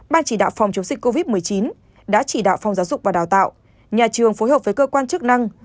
ban chỉ đạo phòng chống dịch covid một mươi chín đã chỉ đạo phòng giáo dục và đào tạo nhà trường phối hợp với cơ quan chức năng